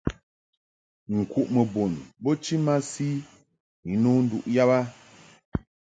Nkuʼmɨ bun bo chi masi ni nno nduʼ yab a.